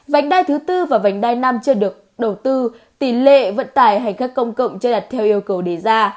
vảnh đai thứ bốn và vảnh đai năm chưa được đầu tư tỷ lệ vận tải hành khắc công cộng chưa đặt theo yêu cầu đề ra